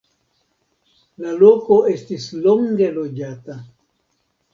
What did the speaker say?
La loko estis longe loĝata.